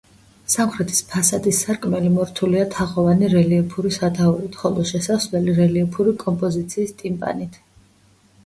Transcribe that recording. სამხრეთის ფასადის სარკმელი მორთულია თაღოვანი რელიეფური სათაურით, ხოლო შესასვლელი რელიეფური კომპოზიციის ტიმპანით.